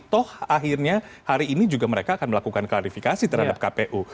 toh akhirnya hari ini juga mereka akan melakukan klarifikasi terhadap kpu